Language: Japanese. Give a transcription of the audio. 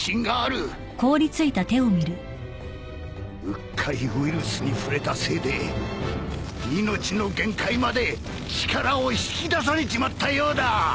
うっかりウイルスに触れたせいで命の限界まで力を引き出されちまったようだ！